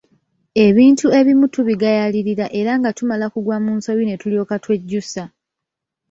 Ebintu ebimu tubigayaalirira era nga tumala kugwa mu nsobi ne tulyoka twejjusa.